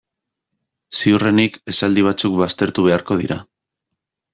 Ziurrenik esaldi batzuk baztertu beharko dira.